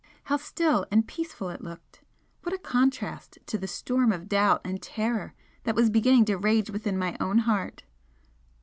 How still and peaceful it looked! what a contrast to the storm of doubt and terror that was beginning to rage within my own heart!